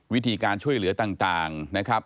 วิธีการช่วยเหลือต่างนะครับ